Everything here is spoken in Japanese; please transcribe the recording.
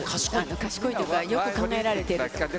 賢いというか、よく考えられている。